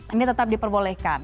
ini tetap diperbolehkan